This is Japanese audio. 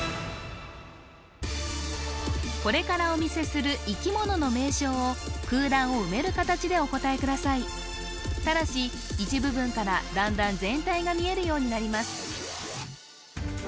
これからお見せする生き物の名称を空欄を埋める形でお答えくださいただし一部分から段々全体が見えるようになります